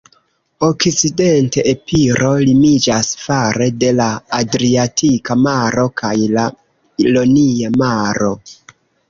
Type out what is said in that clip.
Okcidente, Epiro limiĝas fare de la Adriatika Maro kaj la Ionia Maro.